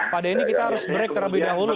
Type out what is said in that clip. pada ini kita harus break terlebih dahulu